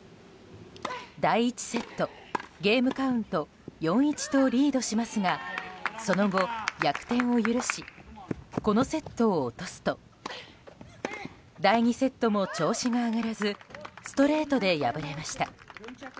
第１セットゲームカウント４−１とリードしますがその後、逆転を許しこのセットを落とすと第２セットも調子が上がらずストレートで敗れました。